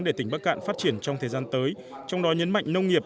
để tỉnh bắc cạn phát triển trong thời gian tới trong đó nhấn mạnh nông nghiệp